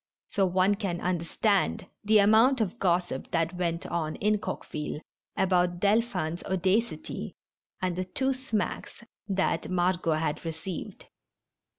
So one can understand the amount of gossip that went on in Coqueville about Dolphin's audacity, and the two smacks that Margot had received.